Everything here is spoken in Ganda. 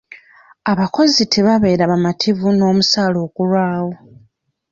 Abakozi tebabeera bamativu n'omusaaala okulwayo.